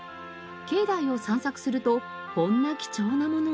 境内を散策するとこんな貴重な物が。